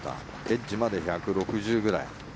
エッジまで１６０ぐらい。